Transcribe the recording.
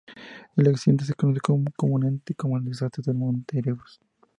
El accidente se conoce comúnmente como el Desastre del Monte Erebus.